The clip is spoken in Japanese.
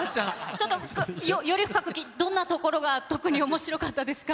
ちょっとより深く、どんなところが特におもしろかったですか？